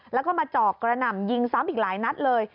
แล้วก็มาเจาะกระหน่ำยิงซ้ำอีกหลายนัดเลย